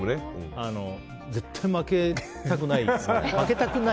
絶対負けたくない。